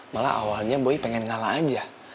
malah awalnya boy pengen ngalah aja